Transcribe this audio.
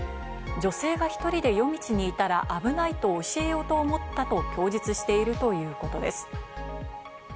女性が１人で夜道にいたら危ないと教えようと思ったと供述しているということです。